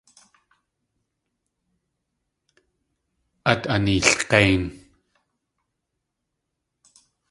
Át aneelg̲ein!